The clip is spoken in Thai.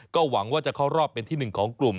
ก็หวังว่าจะเข้ารอบเป็นที่๑ของกลุ่ม